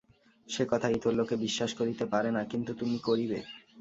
সে কথা ইতর লোকে বিশ্বাস করিতে পারে না, কিন্তু তুমি করিবে।